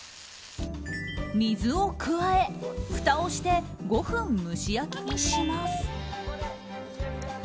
水を加え、ふたをして５分蒸し焼きにします。